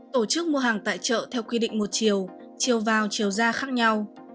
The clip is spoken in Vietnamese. tổ chức mua hàng tại chợ theo quy định một chiều chiều vào chiều ra khác nhau